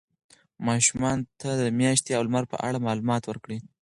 ماشومانو ته د میاشتې او لمر په اړه معلومات ورکړئ.